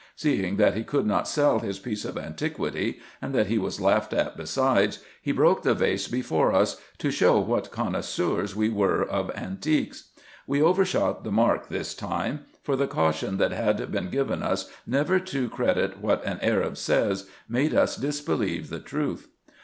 Seeing that he could not sell his piece of antiquity, and that he was laughed at besides, he broke the vase before us, to show what connoisseurs we were of antiques. We overshot the mark this time ; for the caution that had been given us, never to credit what an Arab says, made us disbelieve the truth.